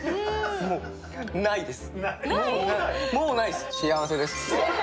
もうないです。